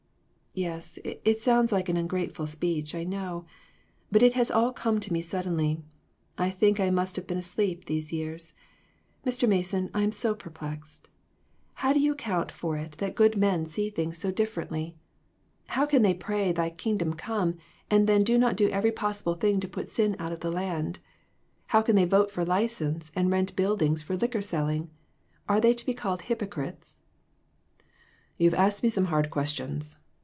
"Yes, it sounds like an ungrateful speech, I know, but it has all come to me so suddenly. I think I must have been asleep, these years. Mr. Mason, I am so perplexed. How do you account 3/6 A MODERN MARTYR. for it that good men see things so differently? How can they pray 'Thy kingdom come,' and then not do every possible thing to put sin out of the land? How can they vote for license, and rent buildings for liquor selling? Are they to be called hypocrites ?" "You have asked me some hard questions.